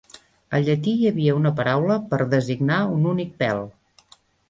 Al llatí hi havia una paraula per designar un únic pèl.